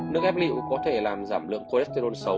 nước ép lu có thể làm giảm lượng cholesterol xấu